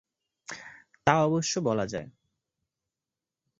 তা অবশ্য বলা যায়।